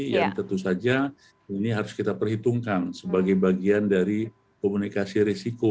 yang tentu saja ini harus kita perhitungkan sebagai bagian dari komunikasi risiko